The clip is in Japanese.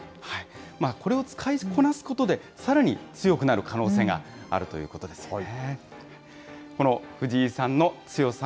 これを使いこなすことで、さらに強くなる可能性があるということですね。